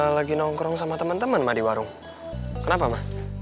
lagi nongkrong sama temen temen mah di warung kenapa mah